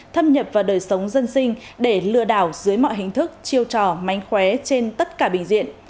thâm nhập vào đời sống dân sinh để lừa đảo dưới mọi hình thức chiêu trò mánh khóe trên tất cả bình diện